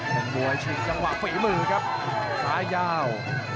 เป็นมวยชิงจังหวะฝีมือครับซ้ายยาว